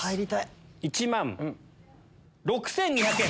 １万６２００円。